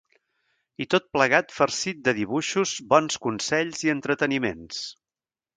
I tot plegat farcit de dibuixos, bons consells i entreteniments.